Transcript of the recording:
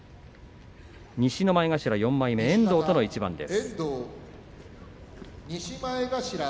西の前頭４枚目遠藤との一番です。